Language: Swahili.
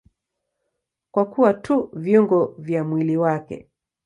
Kwa kuwa tu viungo vya mwili wake.